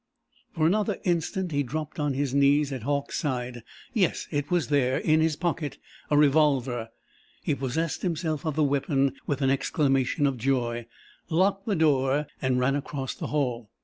For another instant he dropped on his knees at Hauck's side. Yes it was there in his pocket a revolver! He possessed himself of the weapon with an exclamation of joy, locked the door, and ran across the hall.